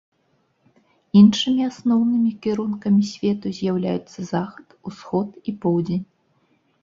Іншымі асноўнымі кірункамі свету з'яўляюцца захад, усход і поўдзень.